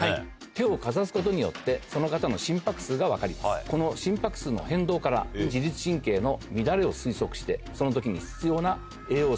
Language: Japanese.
手をかざすことによってその方の心拍数が分かりこの心拍数の変動から自律神経の乱れを推測してその時に。